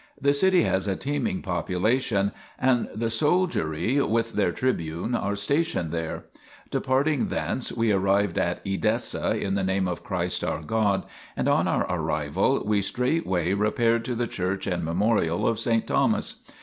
The city has a teeming population, and the soldiery with their tribune are stationed there. Departing thence, we arrived at Edessa in the Name of Christ our God, and, on our arrival, we straightway repaired to the church and memorial of saint Thomas.